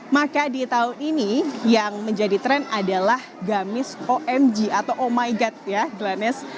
maka di tahun ini yang menjadi tren adalah gamis omg atau oh my god ya glenis